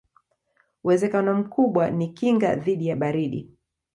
Uwezekano mkubwa ni kinga dhidi ya baridi.